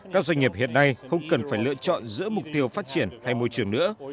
các doanh nghiệp hiện nay không cần phải lựa chọn giữa mục tiêu phát triển hay môi trường nữa